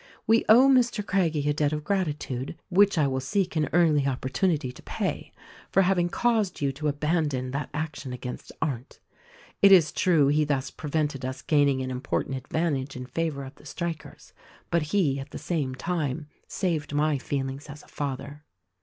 "We owe Mr. Craggie a debt of gratitude — which I will seek an early opportunity to pay — for having caused you to abandon that action against Arndt. It is true he thus prevented us gaining an important advantage in favor of the strikers; but he, at the same time, saved my feelings as a father.